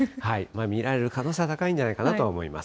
見られる可能性は高いんじゃないかなと思います。